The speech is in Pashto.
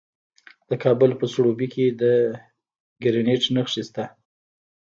د کابل په سروبي کې د ګرانیټ نښې شته.